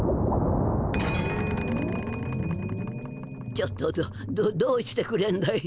ちょっとどどうしてくれんだい。